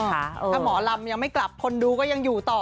ถ้าหมอลำยังไม่กลับคนดูก็ยังอยู่ต่อ